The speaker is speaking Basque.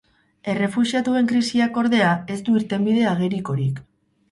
Errefuxiatuen krisiak, ordea, ez du irtenbide agerikorik.